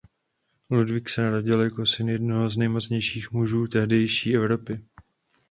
Ludvík se narodil jako syn jednoho z nejmocnějších mužů tehdejší Evropy.